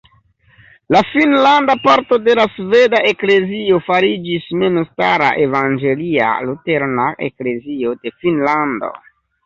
La finnlanda parto de la sveda eklezio fariĝis memstara Evangelia-Luterana Eklezio de Finnlando.